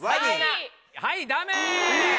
はいダメ。